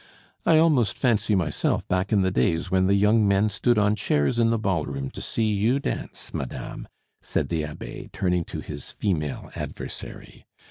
I almost fancy myself back in the days when the young men stood on chairs in the ball room to see you dance, madame," said the abbe, turning to his female adversary.